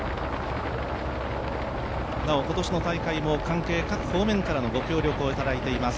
なお、今年の大会も関係各方面からのご協力をいただいています。